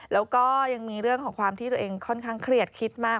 แล้วก็ยังมีเรื่องของความที่ตัวเองค่อนข้างเครียดคิดมาก